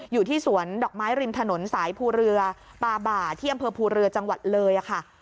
อยู่ที่สวนดอกไม้ริมถนนสายภูเรือปาบ่าที่อำเภอภูเรือจังหวัดเลยค่ะ